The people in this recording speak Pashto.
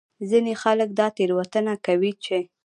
ځینې خلک دا تېروتنه کوي چې